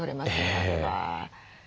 あれは。